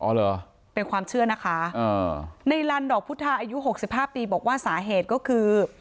เหรอเป็นความเชื่อนะคะในลันดอกพุทธาอายุหกสิบห้าปีบอกว่าสาเหตุก็คือ